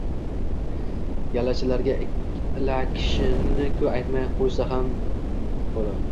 Yallachilarga ilakishganini-ku aytmay qo`ya qolay